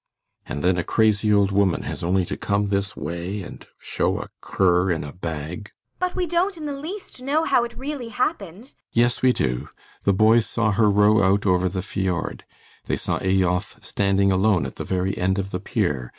And then a crazy old woman has only to come this way and show a cur in a bag ASTA. But we don't in the least know how it really happened. ALLMERS. Yes, we do. The boys saw her row out over the fiord. They saw Eyolf standing alone at the very end of the pier.